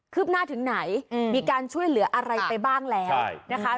หน้าถึงไหนมีการช่วยเหลืออะไรไปบ้างแล้วนะคะ